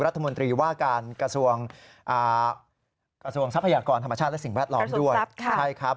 รัฐมนตรีว่าการกระทรวงทรัพยากรธรรมชาติและสิ่งแวดล้อมด้วยใช่ครับ